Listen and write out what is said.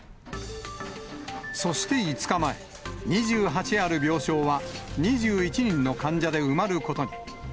そして５日前、２８ある病床は、２１人の患者で埋まることに。